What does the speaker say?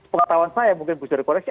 pengetahuan saya mungkin bisa dikoreksi